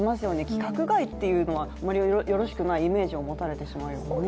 規格外っていうのはあまりよろしくないイメージを持たれてしまいますよね。